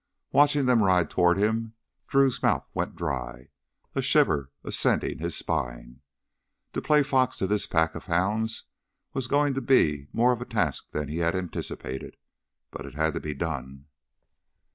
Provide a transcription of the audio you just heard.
Watching them ride toward him, Drew's mouth went dry, a shiver ascending his spine. To play fox to this pack of hounds was going to be more of a task than he had anticipated. But it had to be done.